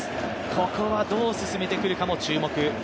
ここはどう進めてくるかも注目。